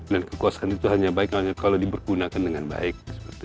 dan kekuasaan itu hanya baik kalau dipergunakan dengan baik